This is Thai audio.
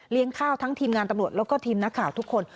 ข้าวทั้งทีมงานตำรวจแล้วก็ทีมนักข่าวทุกคน